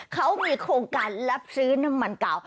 เขามีโครงการรับซื้อน้ำมันเก่า